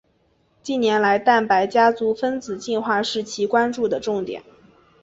近年来蛋白家族分子进化是其关注的重点。